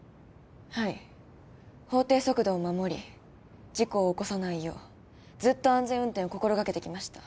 はい法定速度を守り事故を起こさないようずっと安全運転を心がけてきました